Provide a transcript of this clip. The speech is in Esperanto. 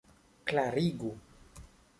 klarigu